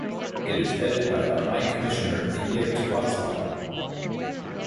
It is headed by the High Commissioner of India to Botswana.